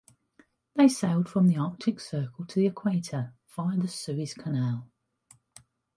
They sailed from the Arctic Circle to the Equator via the Suez Canal.